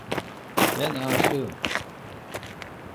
Ben aşığım…